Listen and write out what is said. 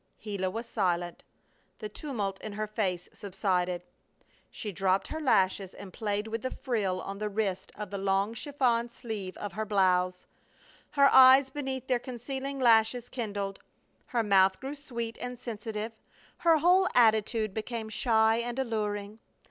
Gila was silent. The tumult in her face subsided. She dropped her lashes and played with the frill on the wrist of the long chiffon sleeve of her blouse. Her eyes beneath their concealing lashes kindled. Her mouth grew sweet and sensitive, her whole attitude became shy and alluring.